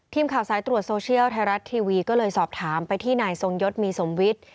ทีมข่าวสายตรวจโซเชียลไทยรัฐทีวีก็เลยสอบถามไปที่นายทรงยศมีสมวิทย์